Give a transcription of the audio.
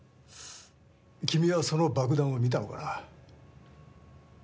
君はその爆弾を見たのかな？